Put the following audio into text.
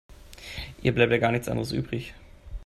Ihr bleibt ja gar nichts anderes übrig.